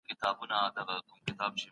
انلاين درس د زده کوونکو پوهه لوړوي.